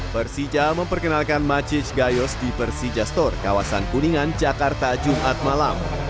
persija memperkenalkan macij gayos di persija store kawasan kuningan jakarta jumat malam